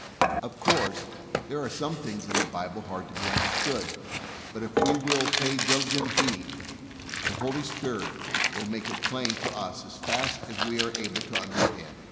Of course, there are some things in the Bible hard to be understood, but if we will pay diligent heed the Holy Spirit will make it plain to us as fast as we are able to under stand.